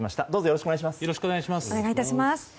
よろしくお願いします。